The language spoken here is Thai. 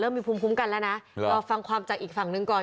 มีภูมิคุ้มกันแล้วนะรอฟังความจากอีกฝั่งหนึ่งก่อน